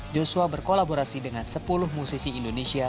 joshua berkolaborasi dengan sepuluh musisi indonesia